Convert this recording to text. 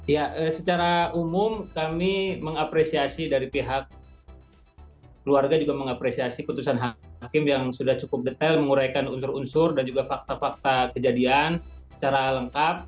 ya secara umum kami mengapresiasi dari pihak keluarga juga mengapresiasi putusan hakim yang sudah cukup detail menguraikan unsur unsur dan juga fakta fakta kejadian secara lengkap